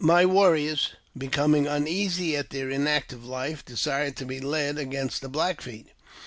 My warriors, becoming uneasy at their inactive life, desi to be led against the Black Feet.